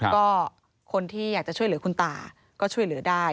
ก็คนที่อยากจะช่วยเหลือคุณตาก็ช่วยเหลือได้